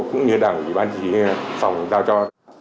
cũng như đảng ủy ban truy phòng giao cho